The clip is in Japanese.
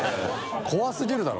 怖すぎるだろ。